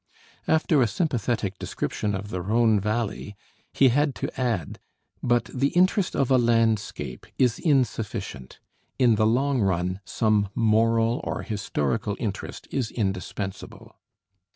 After a sympathetic description of the Rhone valley, he had to add, "But the interest of a landscape is insufficient; in the long run, some moral or historical interest is indispensable."